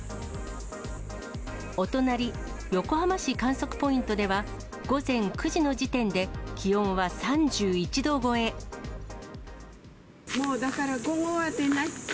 お隣、横浜市観測ポイントでは、午前９時の時点で、もうだから午後は出ない。